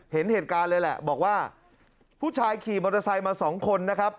เห็นเหตุการณ์เลยแหละบอกว่าผู้ชายขี่มอเตอร์ไซค์มาสองคนนะครับ